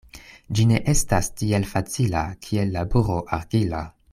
Ĝi ne estas tiel facila, kiel laboro argila.